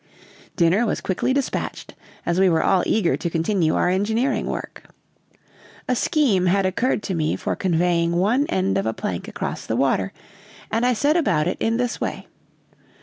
Dinner was quickly dispatched, as we were all eager to continue our engineering work. A scheme had occurred to me for conveying one end of a plank across the water, and I set about it in this way.